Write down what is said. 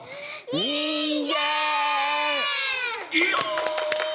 人間！